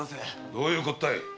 どういうこったい？